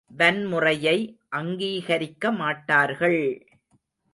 வன்முறை யை அங்கீகரிக்கமாட்டார்கள்!